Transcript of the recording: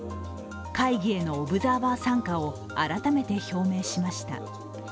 会議へのオブザーバー参加を改めて表明しました。